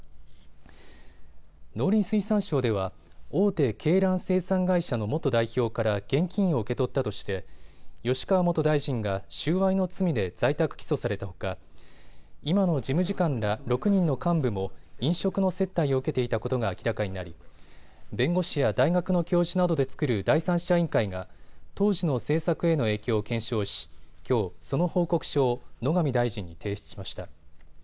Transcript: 農林水産省では大手鶏卵生産会社の元代表から現金を受け取ったとして吉川元大臣が収賄の罪で在宅起訴されたほか今の事務次官ら６人の幹部も飲食の接待を受けていたことが明らかになり弁護士や大学の教授などで作る第三者委員会が当時の政策への影響を検証しきょう、その報告書を野上大臣に提出しました。